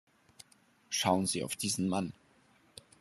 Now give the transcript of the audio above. Schauen Sie auf diesen Mann.